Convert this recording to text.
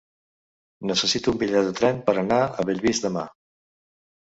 Necessito un bitllet de tren per anar a Bellvís demà.